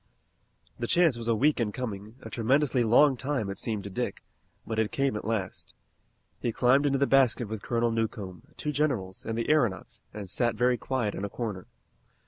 The chance was a week in coming, a tremendously long time it seemed to Dick, but it came at last. He climbed into the basket with Colonel Newcomb, two generals, and the aeronauts and sat very quiet in a corner.